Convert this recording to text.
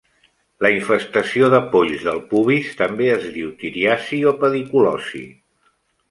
La infestació de polls del pubis també es diu "ftiriasi" o "pediculosi".